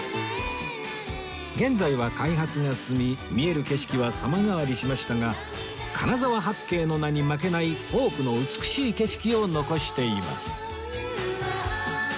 現在は開発が進み見える景色は様変わりしましたが金沢八景の名に負けない多くの美しい景色を残しています